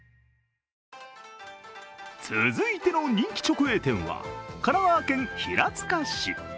続いての人気直営店は神奈川県平塚市。